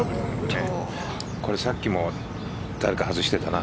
さっきも誰か外してたな。